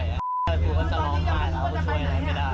แต่กูก็จะร้องข้ายแล้วช่วยอะไรไม่ได้